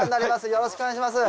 よろしくお願いします。